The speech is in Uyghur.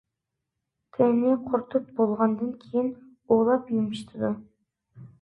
تېرىنى قۇرۇتۇپ بولغاندىن كېيىن ئۇۋۇلاپ يۇمشىتىدۇ.